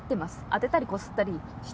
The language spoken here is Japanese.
当てたりこすったりしてます。